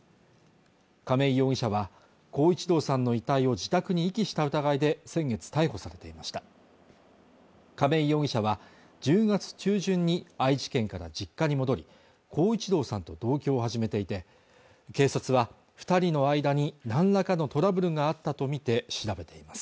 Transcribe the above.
亀井容疑者は孝一郎さんの遺体を自宅に遺棄した疑いで先月逮捕されていました亀井容疑者は１０月中旬に愛知県から実家に戻り孝一郎さんと同居を始めていて警察は二人の間になんらかのトラブルがあったとみて調べています